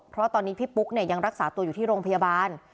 เพราะตอนนี้พี่ปุ๊กเนี่ยยังรักษาตัวอยู่ที่โรงพยาบาล